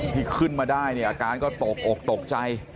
ที่ขึ้นมาได้เนี่ยอาการก็ตกอกตกใจ